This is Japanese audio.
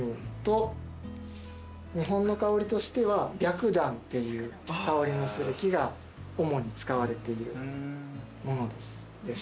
日本の香りとしては白檀っていう香りのする木が主に使われているものです。